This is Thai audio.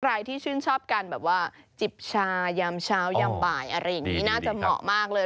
ใครที่ชื่นชอบการแบบว่าจิบชายามเช้ายามบ่ายอะไรอย่างนี้น่าจะเหมาะมากเลย